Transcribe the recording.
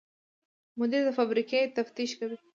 مدیر د فابریکې تفتیش کوي.